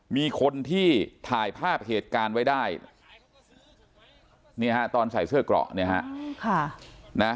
มีคนที่ถ่ายภาพเหตุการณ์ไว้ได้ตอนใส่เสื้อเกราะ